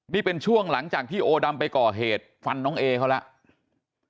นี่เป็นช่วงหลังจากที่โอดำไปก่อเหตุฟันน้องเอเขาแล้ว